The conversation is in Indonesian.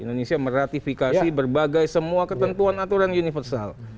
indonesia meratifikasi berbagai semua ketentuan aturan universal